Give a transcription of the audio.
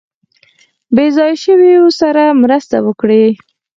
بې ځایه شویو سره مرسته وکړي.